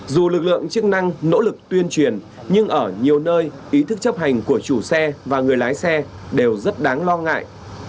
dù lực lượng chức năng nỗ lực tuyên truyền nhưng ở nhiều nơi ý thức chấp hành của chủ xe và người lái xe đều rất đáng lo ngại